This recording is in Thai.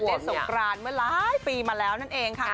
สงกรานเมื่อหลายปีมาแล้วนั่นเองค่ะ